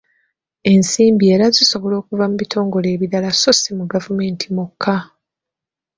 Ensimbi era zisobola okuva mu bitongole ebirala sso si mu gavumenti mwokka.